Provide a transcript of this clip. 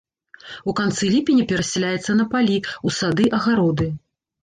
У канцы ліпеня перасяляецца на палі, у сады, агароды.